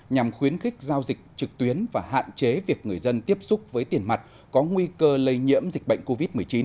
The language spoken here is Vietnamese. nhằm khuyến khích giao dịch trực tuyến và hạn chế việc người dân tiếp xúc với tiền mặt có nguy cơ lây nhiễm dịch bệnh covid một mươi chín